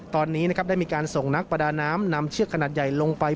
ตอนนี้นะครับได้มีการส่งนักประดาน้ำนำเชือกขนาดใหญ่ลงไป